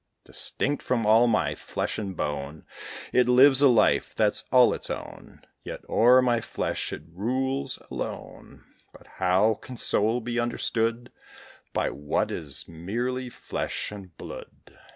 Distinct from all my flesh and bone, It lives a life that's all its own, Yet o'er my flesh it rules alone. But how can soul be understood By what is merely flesh and blood?